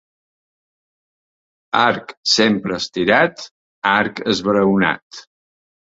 Arc sempre estirat, arc esbraonat.